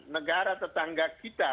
negara tetangga kita